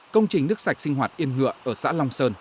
công trình nước sạch sinh hoạt yên ngựa ở xã long sơn